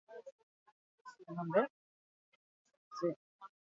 Gainera, mutilentzako jantzien artean denim ehundura eta galtza bakeroak nagusituko dira.